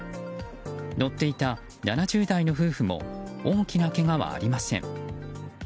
乗っていた７０代の夫婦も大きなけがはありません。